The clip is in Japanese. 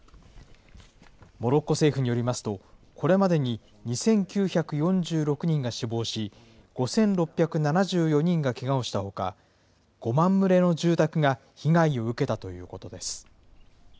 モロッコ政府によりますと、これまでに２９４６人が死亡し、５６７４人がけがをしたほか、５万棟の住宅が被害を受けたということです。